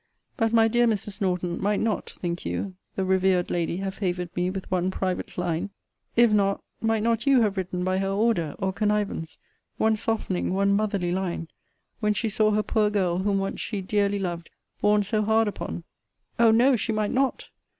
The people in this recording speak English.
But, my dear Mrs. Norton, might not, think you, the revered lady have favoured me with one private line? If not, might not you have written by her order, or connivance, one softening, one motherly line, when she saw her poor girl, whom once she dearly loved, borne so hard upon? O no, she might not!